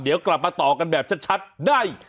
เดี๋ยวกลับมาต่อกันแบบชัดได้